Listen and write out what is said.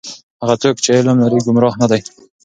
هغه څوک چې علم لري گمراه نه دی.